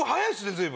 随分。